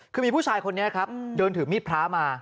คือมีผู้ชายคนนี้ครับเดินถือมีดพระมา